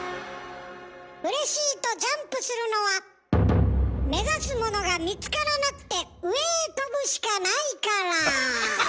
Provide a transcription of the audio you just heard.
うれしいとジャンプするのは目指すものが見つからなくて上へ跳ぶしかないから。